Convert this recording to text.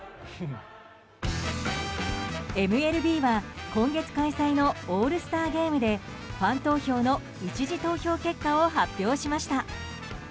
ＭＬＢは今月開催のオールスターゲームでファン投票の１次投票結果を発表しました。